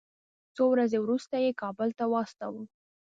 څو ورځې وروسته یې کابل ته واستاوه.